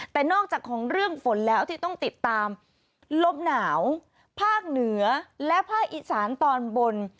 แต่นอกจากของเรื่องฝนแล้วที่ต้องติดตามลมหนาวภาคเหนือและภาคอีสานตอนบน